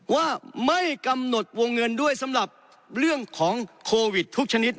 ว่าไม่กำหนดวงเงินด้วยสำหรับเรื่องของโควิดทุกชนิด